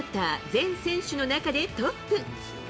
全選手の中でトップ。